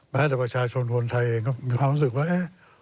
แม้แต่ว่าชายชวนธวนไทยเองก็มีความรู้สึกว่า